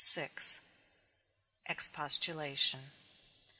VI. EXPOSTULATION.